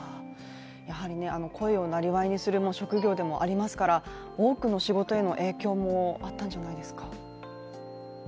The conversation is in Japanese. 声をなりわいにする職業でもありますから多くの仕事への影響もあったんじゃないですか？